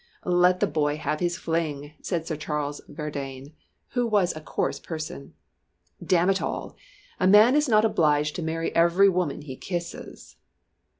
"Let the boy have his fling," said Sir Charles Verdayne, who was a coarse person. "Damn it all! a man is not obliged to marry every woman he kisses!"